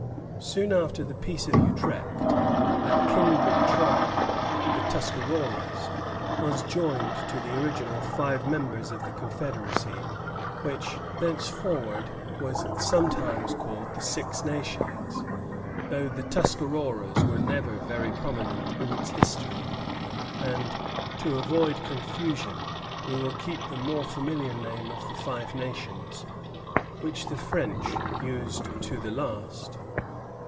Soon after the Peace of Utrecht, a kindred tribe, the Tuscaroras, was joined to the original five members of the confederacy, which thenceforward was sometimes called the Six Nations, though the Tuscaroras were never very prominent in its history; and, to avoid confusion, we will keep the more familiar name of the Five Nations, which the French used to the last.